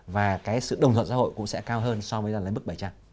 và cái sự đồng thuận xã hội cũng sẽ cao hơn so với lấy mức bảy trăm linh